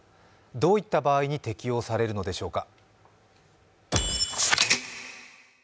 どういった場合に適用されるのでしょうか。